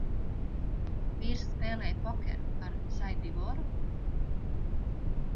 Jūsu vīrs spēlēja pokeru ar Sai Divoru?